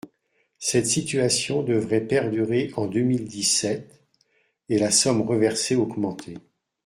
Cette situation devrait perdurer en deux mille dix-sept et la somme reversée augmenter.